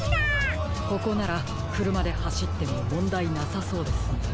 ここならくるまではしってももんだいなさそうですね。